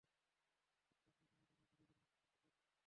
পাত্র ময়লা-আবর্জনায় ভরে গেলে নিচের দিক দিয়ে খুলে পরিষ্কার করা হয়।